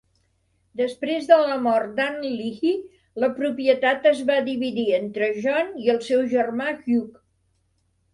Després de la mort d'Ann Leahy, la propietat es va dividir entre John i el seu germà Hugh.